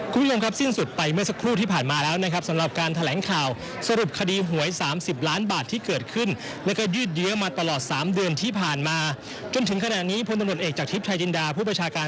กริพัฒน์บุญนินค่ะเชิญค่ะ